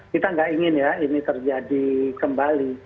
kita nggak ingin ya ini terjadi kembali